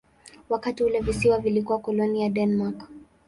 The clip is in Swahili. Wakati ule visiwa vilikuwa koloni ya Denmark.